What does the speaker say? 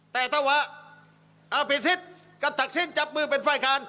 แต่ถ้าว่าอภิษฎกับศักดิ์สิ้นจับมือเป็นฝ่ายค้าน